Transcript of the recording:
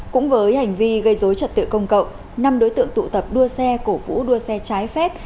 cũng với hành vi gây dối trật tự công cộng năm đối tượng tụ tập đua xe cổ vũ đua xe trái phép